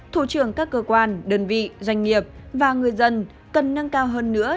thủ trưởng các cơ quan đơn vị doanh nghiệp và người dân cần nâng cao hơn nữa